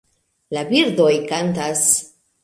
La birdoj kantas